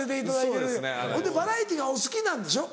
ほんでバラエティーがお好きなんでしょ？